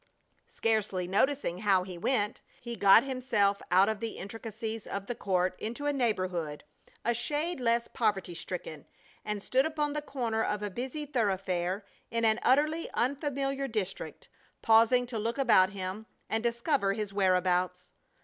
Scarcely noticing how he went, he got himself out of the intricacies of the court into a neighborhood a shade less poverty stricken, and stood upon the corner of a busy thoroughfare in an utterly unfamiliar district, pausing to look about him and discover his whereabouts.